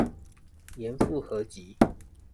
嚴復合集